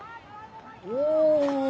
お！